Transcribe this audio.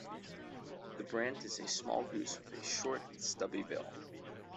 The brant is a small goose with a short, stubby bill.